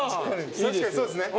確かにそうですね。